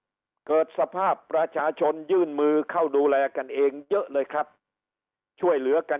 เกิดสภาพประชาชนยื่นมือเข้าดูแลกันเองเยอะเลยครับช่วยเหลือกัน